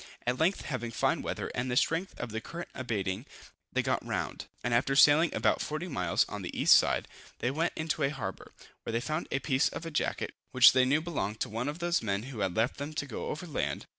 At length, having fine weather, and the strength of the current abating, they got round; and after sailing about 40 miles on the east side, they went into a harbor, where they found a piece of a jacket, which they knew belonged to one of those men who had left them to go over land.